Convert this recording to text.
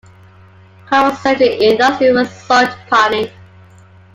Culross' secondary industry was salt panning.